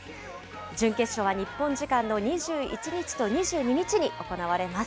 準決勝は日本時間の２１日と２２日に行われます。